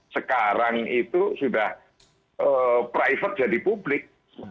sekarang itu sudah private jadi publik